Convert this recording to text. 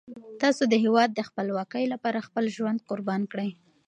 تاسو د هیواد د خپلواکۍ لپاره خپل ژوند قربان کړئ.